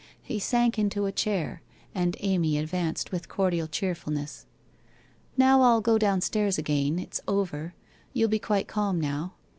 He sank into a chair and Amy advanced with cordial cheerfulness. 1 Now I'll go downstairs again, it's over. You'll be quite calm now.